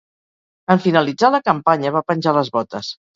En finalitzar la campanya, va penjar les botes.